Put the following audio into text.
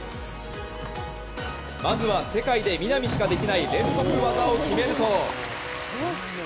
まずは、世界で南しかできない連続技を決めると。